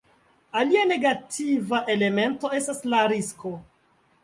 Alia negativa elemento estas la risko.